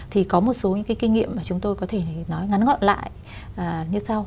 thì có một số những cái kinh nghiệm mà chúng tôi có thể nói ngắn gọn lại như sau